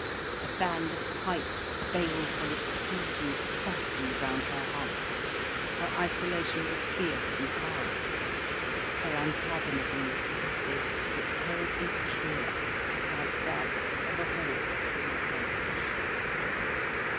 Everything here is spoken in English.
A band of tight, baleful exclusion fastened round her heart, her isolation was fierce and hard, her antagonism was passive but terribly pure, like that of a hawk in a cage.